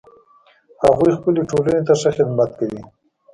هغوی خپلې ټولنې ته ښه خدمت کوي